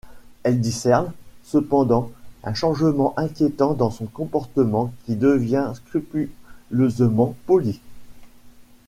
Elle discerne, cependant, un changement inquiétant dans son comportement qui devient scrupuleusement poli.